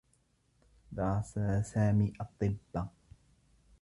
درس سامي الطّب.